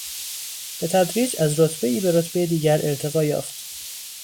به تدریج از رتبهای به رتبهی دیگر ارتقا یافت.